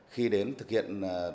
khi đến thực hiện